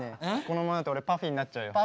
このままだと俺ＰＵＦＦＹになっちゃうよ。